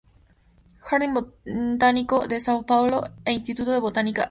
Jardim Botanico de Sao Paulo e Instituto de Botanica, Av.